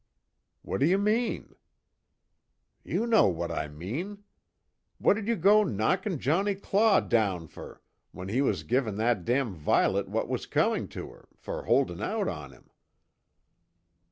"What do you mean?" "You know what I mean. What did you go knockin' Johnnie Claw down fer, when he was givin' that damn Violet what was comin' to her, fer holdin' out on him?"